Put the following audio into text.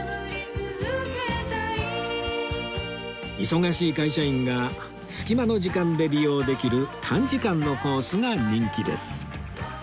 忙しい会社員が隙間の時間で利用できる短時間のコースが人気です